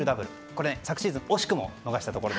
これ昨シーズン惜しくも逃したところ。